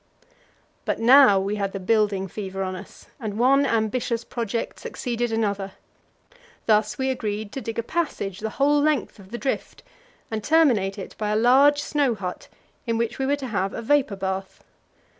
But now we had the building fever on us, and one ambitious project succeeded another. Thus we agreed to dig a passage the whole length of the drift, and terminate it by a large snow hut, in which we were to have a vapour bath.